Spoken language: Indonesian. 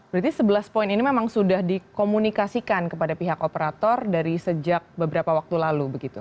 berarti sebelas poin ini memang sudah dikomunikasikan kepada pihak operator dari sejak beberapa waktu lalu begitu